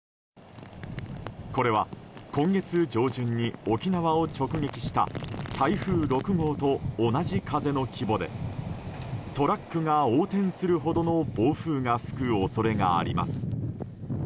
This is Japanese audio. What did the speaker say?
これは、今月上旬に沖縄を直撃した台風６号と同じ風の規模でトラックが横転するほどの暴風が吹く恐れがあります。